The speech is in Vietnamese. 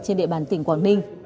trên địa bàn tỉnh quảng ninh